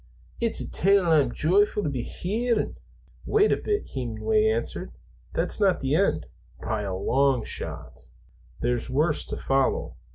It's a tale I'm joyfu' to be hearin'." "Wait a bit," Hemenway answered. "That's not the end, by a long shot. There's worse to follow.